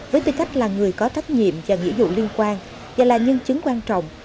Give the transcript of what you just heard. với tư cách là người có trách nhiệm và nghĩa dụ liên quan và là nhân chứng quan trọng